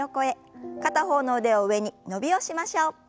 片方の腕を上に伸びをしましょう。